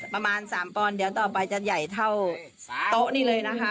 ประมาณ๓ปอนด์เดี๋ยวต่อไปจะใหญ่เท่าโต๊ะนี่เลยนะคะ